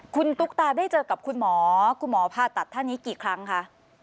คุณตุ๊กตาได้เจอกับคุณหมอผ่าตัดกี่ครั้งคะ